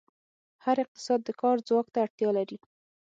هر اقتصاد د کار ځواک ته اړتیا لري.